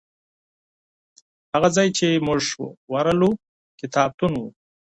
هغه ځای چي موږ ورغلو کتابتون و.